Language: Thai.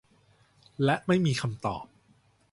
และไม่มีคำตอบ